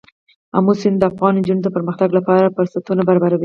آمو سیند د افغان نجونو د پرمختګ لپاره فرصتونه برابروي.